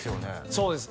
そうです